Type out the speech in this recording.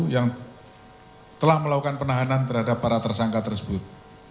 yang telah melakukan penahanan terhadap para tersangka tersebut